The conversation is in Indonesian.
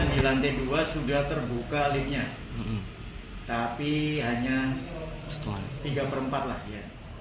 di lantai dua sudah terbuka liftnya tapi hanya tiga perempat lah ya